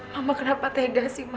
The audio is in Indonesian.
mama kenapa teda sih mama